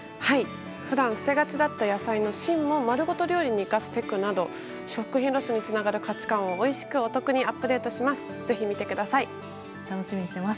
普段捨てがちだった野菜の芯も丸ごと料理に生かすテクなど食品ロスにつながる価値観をおいしく、お得にアップデートします。